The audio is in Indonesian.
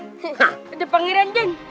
hah ada pengiraan jin